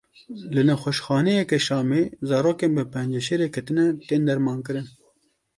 Li nexweşxaneyeke Şamê zarokên bi penceşêrê ketine tên dermankirin.